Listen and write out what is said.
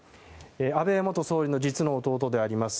安倍元総理の実の弟であります